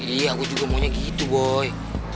iya aku juga maunya gitu boy